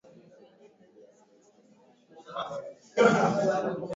wa mpango wewe ni uwezekano mkubwa wa kuwa